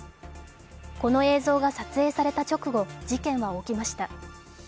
この映像が撮影された直後、事件は起きました。